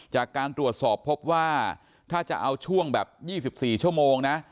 จากการตรวจสอบพบว่าถ้าจะเอาช่วงแบบ๒๔ชั่วโมงนะ